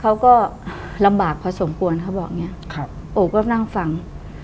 เขาก็ลำบากพอสมควรเขาบอกเนี้ยครับโอก็นั่งฟัง